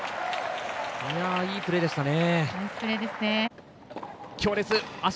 いいプレーでしたね。